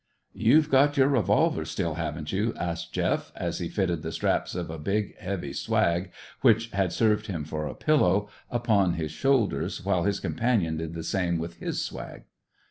"You've got your revolver still, haven't you?" asked Jeff, as he fitted the straps of a big, heavy swag (which had served him for a pillow) about his shoulders, while his companion did the same with his swag.